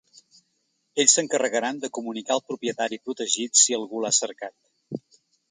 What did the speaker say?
Ells s’encarregaran de comunicar al propietari protegit si algú l’ha cercat.